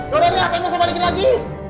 yaudah deh saya balikin lagi